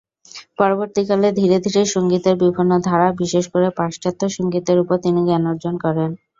পরবর্তীকালে ধীরে-ধীরে সঙ্গীতের বিভিন্ন ধারা, বিশেষ করে পাশ্চাত্য সঙ্গীতের উপর তিনি জ্ঞান অর্জন করেন।